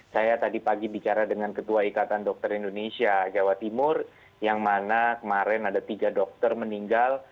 saya tadi pagi bicara dengan ketua ikatan dokter indonesia jawa timur yang mana kemarin ada tiga dokter meninggal